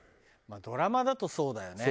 ドラマだとそうだよね。